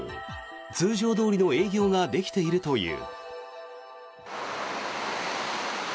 通常どおりの営業ができているという。